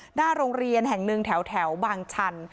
หน้าโรงเรียนแห่งหนึ่งแถวบางชัน